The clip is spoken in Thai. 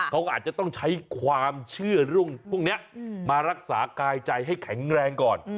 เขาก็อาจจะต้องใช้ความเชื่อเรื่องพวกนี้มารักษากายใจให้แข็งแรงก่อน